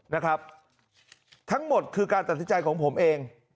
นะครับทั้งหมดคือการตัดสินใจของผมเอง